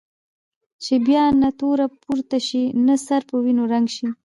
چې بیا نه توره پورته شي نه سر په وینو رنګ شي.